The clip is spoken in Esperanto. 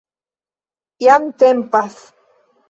Jam tempas